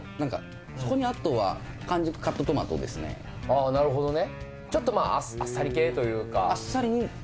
ああなるほどね